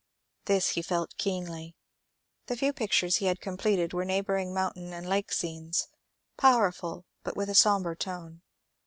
This he felt keenly. The few pictures he had completed were neigh bouring mountain and lake scenes, powerful but with a som bre tone.